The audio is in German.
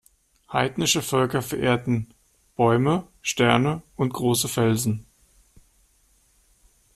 Heidnische Völker verehrten Bäume, Sterne und große Felsen.